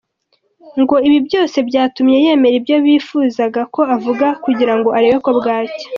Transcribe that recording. Ngo ibi byose byatumye yemera ibyo bifuzaga ko avuga kugirango arebe ko bwacya.